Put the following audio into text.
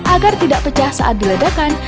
agar tidak pecah saat diledakan